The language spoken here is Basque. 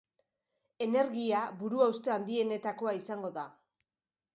Energia buruhauste handienetakoa izango da.